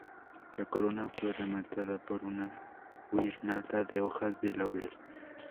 La corona fue rematada por una guirnalda de hojas de laurel.